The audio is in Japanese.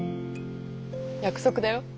約束だよ。